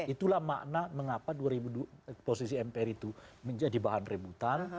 itulah makna mengapa posisi mpr itu menjadi bahan rebutan